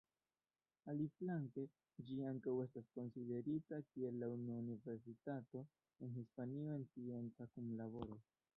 Aliflanke, ĝi ankaŭ estas konsiderita kiel la unua universitato en Hispanio en scienca kunlaboro.